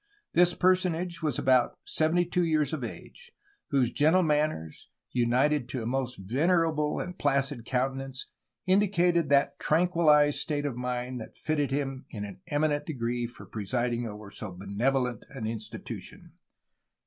This personage was about seventy two years of age, whose gentle manners, united to a most venerable and placid countenance, indicated^that tran quilized state of mind that fitted him in an eminent degree for presiding over so benevolent an institution."